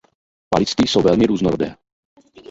Palisty jsou velmi různorodé.